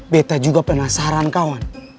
beta juga penasaran kawan